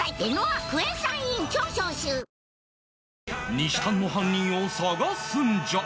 にしたんの犯人を捜すんじゃ！！